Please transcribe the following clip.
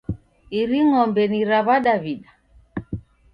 Iri ng'ombe ni ra W'adaw'ida?